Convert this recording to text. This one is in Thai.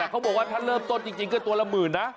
เขาบอกว่าถ้าเริ่มต้นจริงก็ตัวละหมื่นนะ